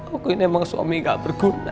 aku ini emang suami gak berguna